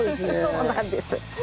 そうなんです。